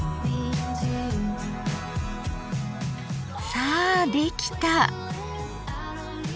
さあできた。